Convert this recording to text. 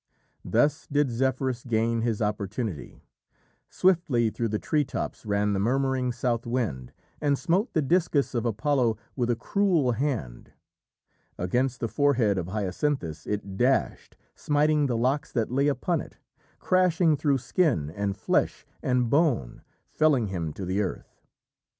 Thus did Zephyrus gain his opportunity. Swiftly through the tree tops ran the murmuring South Wind, and smote the discus of Apollo with a cruel hand. Against the forehead of Hyacinthus it dashed, smiting the locks that lay upon it, crashing through skin and flesh and bone, felling him to the earth.